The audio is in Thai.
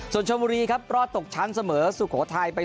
ส่วนชมบุรีครับรอดตกชั้นเสมอสุโขทัยไป